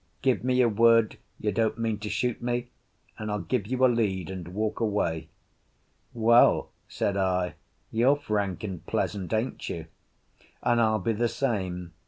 Give me your word you don't mean to shoot me, and I'll give you a lead and walk away." "Well," said I, "You're frank and pleasant, ain't you? And I'll be the same.